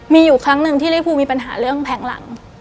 มีอยู่ครั้งหนึ่งที่ริภูมีปัญหาเรื่องแผงหลัง